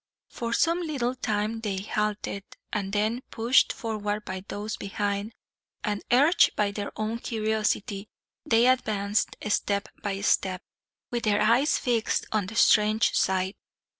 For some little time they halted; and then, pushed forward by those behind, and urged by their own curiosity, they advanced step by step, with their eyes fixed on the strange sight.